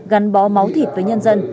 gắn bó máu thịt với nhân dân